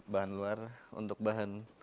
bahan luar untuk bahan